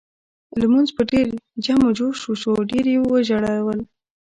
لمونځ په ډېر جم و جوش وشو ډېر یې وژړل.